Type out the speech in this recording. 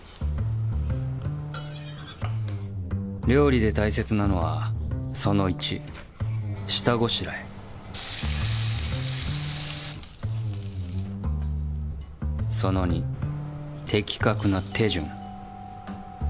料理で大切なのはその１下ごしらえその２的確な手順。